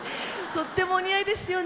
とってもお似合いですよね？